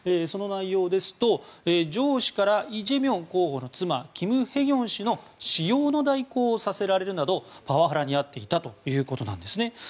その内容ですと上司からイ・ジェミョン候補の妻キム・ヘギョン氏の私用の代行をさせられるなどパワハラに遭っていたということなんですね。